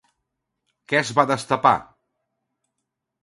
Què es va destapar?